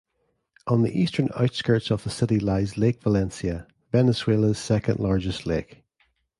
On the eastern outskirts of the city lies Lake Valencia, Venezuela's second-largest lake.